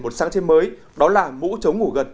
một sáng chếp mới đó là mũ chống ngủ gật